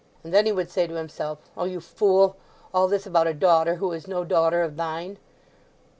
And then he would say to himself, "O you fool! All this about a daughter who is no daughter of thine!"